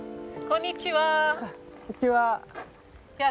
こんにちは。